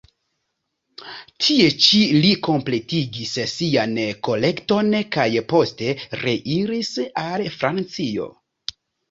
Tie ĉi li kompletigis sian kolekton kaj poste reiris al Francio.